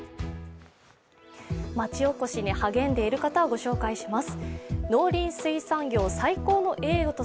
町おこしに励んでいる方をご紹介します。